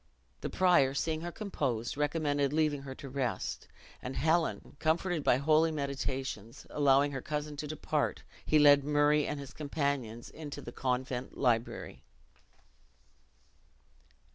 The prior, seeing her composed, recommended leaving her to rest. And Helen, comforted by holy meditations, allowing her cousin to depart, he led Murray and his companions into the convent library.